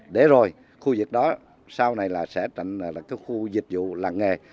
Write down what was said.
để rồi khu dịch đó sau này là sẽ trảnh là khu dịch vụ làng nghề